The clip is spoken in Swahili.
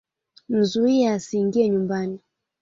Mzuie asingie nyumbani.